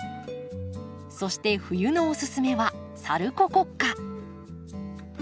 そして冬のおすすめはサルココッカ。